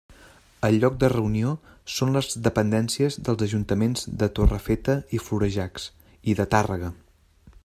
El lloc de reunió són les dependències dels Ajuntaments de Torrefeta i Florejacs i de Tàrrega.